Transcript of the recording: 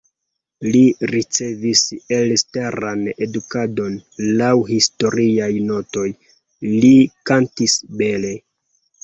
Li ricevis elstaran edukadon, laŭ historiaj notoj, li kantis bele.